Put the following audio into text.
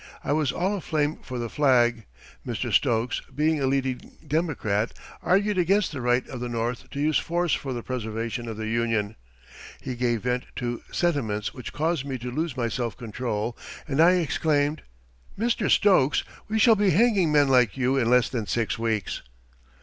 I was all aflame for the flag. Mr. Stokes, being a leading Democrat, argued against the right of the North to use force for the preservation of the Union. He gave vent to sentiments which caused me to lose my self control, and I exclaimed: "Mr. Stokes, we shall be hanging men like you in less than six weeks."